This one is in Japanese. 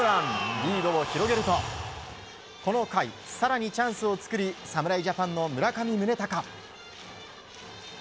リードを広げるとこの回、更にチャンスを作り侍ジャパンの村上宗隆。